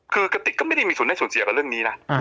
คือกระติกก็ไม่ได้มีส่วนได้ส่วนเสียกับเรื่องนี้นะ